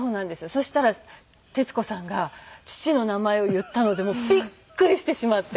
そしたら徹子さんが義父の名前を言ったのでびっくりしてしまって。